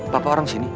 bapak orang sini